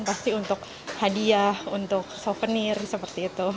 pasti untuk hadiah untuk souvenir seperti itu